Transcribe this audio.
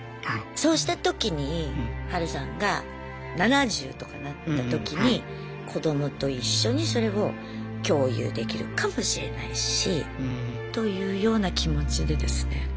そうしたときにハルさんが７０とかなったときに子どもと一緒にそれを共有できるかもしれないしというような気持ちでですね